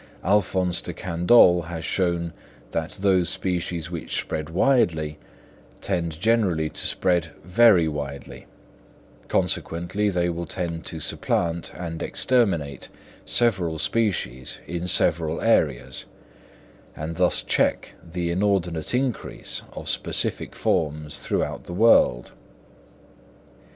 Alph. de Candolle has shown that those species which spread widely tend generally to spread very widely, consequently they will tend to supplant and exterminate several species in several areas, and thus check the inordinate increase of specific forms throughout the world.